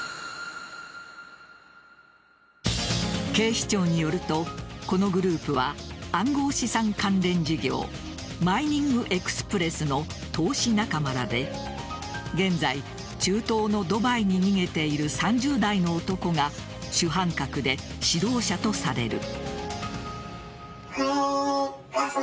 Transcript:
警視庁によるとこのグループは暗号資産関連事業マイニングエクスプレスの投資仲間らで現在、中東のドバイに逃げている３０代の男が主犯格で主導者とされる。